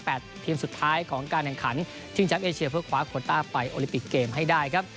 ต่างทีมสุดท้ายของการแรงขันที่งจับเอเชียเพื่อคว้าโกนด้าไปโอลิปิกเกมให้ได้ครับ